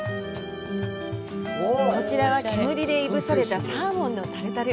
こちらは煙でいぶされたサーモンのタルタル。